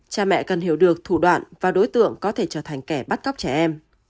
cha mẹ cần hiểu được thủ đoạn và đối tượng có thể trở thành kẻ bắt cóc trẻ em